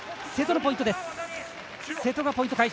瀬戸のポイントです。